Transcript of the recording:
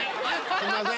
「すんません」。